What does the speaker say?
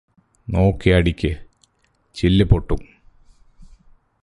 നോക്കിയടിക്ക്. ചില്ല് പൊട്ടും.